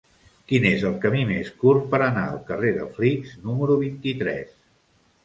Quin és el camí més curt per anar al carrer de Flix número vint-i-tres?